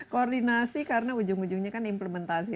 koordinasi karena ujung ujungnya kan implementasi